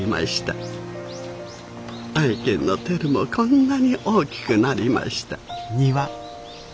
愛犬のテルもこんなに大きくなりました。